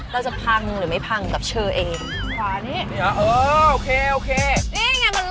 เราจะพังหรือไม่พังกับเชอเอง